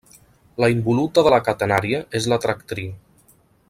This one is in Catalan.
La involuta de la catenària és la tractriu.